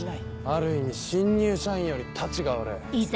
ある意味新入社員よりたちが悪い。